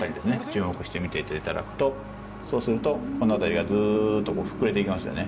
注目して見ていただくとそうするとこの辺りがずっと膨れて行きますよね。